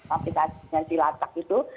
aplikasi yang dilatak itu